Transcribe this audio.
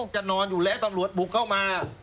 จะนอนอยู่แล้วตำรวจบุกเข้ามา